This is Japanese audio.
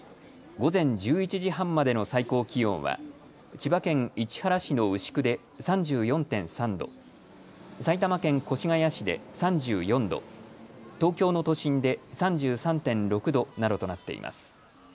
午前１１時半までの最高気温は千葉県市原市の牛久で３４．３度、埼玉県越谷市で３４度、東京の都心で３３．６度などとなっています。